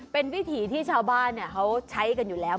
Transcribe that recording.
เป็นวิถีที่ชาวบ้านเขาใช้กันอยู่แล้ว